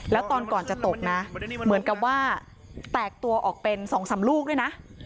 แล้วตอนก่อนจะตกนะเหมือนกับว่าแตกตัวออกเป็น๒๓ลูกด้วยนะ